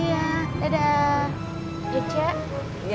iya dah hati hati ya